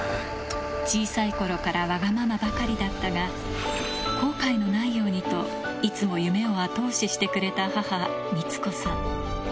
小さいころからわがままばかりだったが、後悔のないようにと、いつも夢を後押ししてくれた母、光子さん。